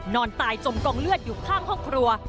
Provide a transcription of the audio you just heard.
นอนตายจมกองเลือดอยู่ข้างห้องครัว